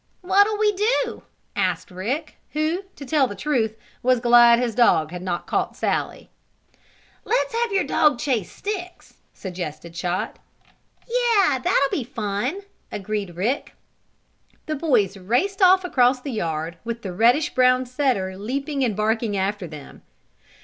"What'll we do?" asked Rick, who, to tell the truth, was glad his dog had not caught Sallie. "Let's have your dog chase sticks," suggested Chot. "Yes, that'll be fun!" agreed Rick. The boys raced off across the yard, with the reddish brown setter leaping and barking after them.